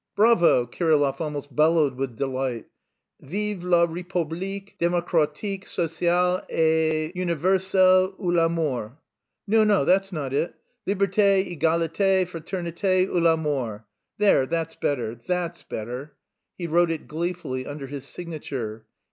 "Bravo!" Kirillov almost bellowed with delight. "'Vive la république démocratique sociale et universelle ou la mort!' No, no, that's not it. 'Liberté, égalité, fraternité ou la mort.' There, that's better, that's better." He wrote it gleefully under his signature.